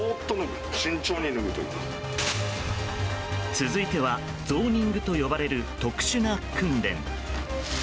続いてはゾーニングと呼ばれる特殊な訓練。